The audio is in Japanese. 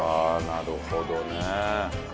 なるほどね